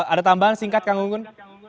ada tambahan singkat kang gunggun